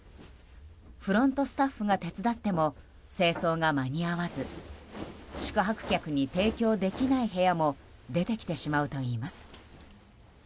フロントスタッフが手伝っても清掃が間に合わず宿泊客に提供できない部屋も出てきてしまうといいます。